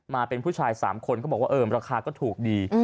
มาเป็นผู้ชาย๓คนก็บอกว่าเออราคาก็ถูกดี